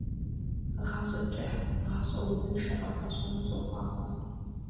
Гъащӏэ кӏыхь, гъащӏэ узыншэ къэбгъэщӏэну сохъуахъуэ.